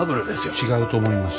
違うと思います。